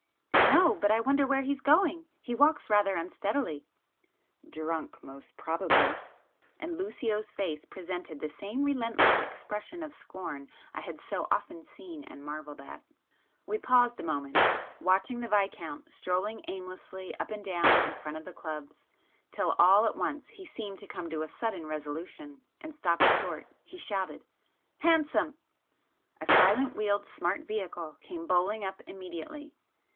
"No. But I wonder where he's going? He walks rather unsteadily." "Drunk, most probably!" And Lucio's face presented the same relentless expression of scorn I had so often seen and marvelled at. We paused a moment, watching the Viscount strolling aimlessly up and down in front of the clubs,—till all at once he seemed to come to a sudden resolution, and stopping short, he shouted, "Hansom!" A silent wheeled smart vehicle came bowling up immediately.